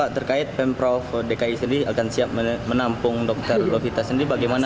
terkait pemprov dki sendiri akan siap menampung dokter lovita sendiri bagaimana